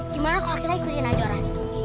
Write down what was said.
gimana kalau kita ikutin aja orang itu